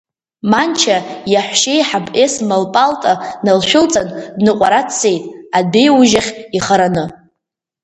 Манча иаҳәшьеиҳаб Есма лпалта налшәылҵан, ныҟәара дцеит, адәеиужь ахь ихараны.